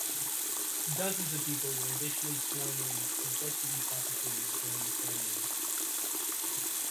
Dozens of people were additionally sworn in as deputy prosecutors during the ceremony.